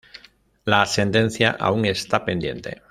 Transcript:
La sentencia aún está pendiente.